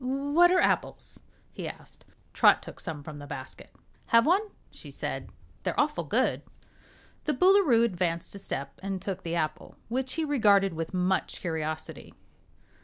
What are apples?" he asked. Trot took some from the basket. "Have one?" she said. "They're awful good." The Boolooroo advanced a step and took the apple, which he regarded with much curiosity.